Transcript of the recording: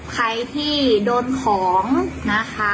ใครที่โดนของนะคะ